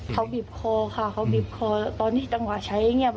เขาบีบคอค่ะเขาบีบคอตอนที่จังหวะใช้เงียบ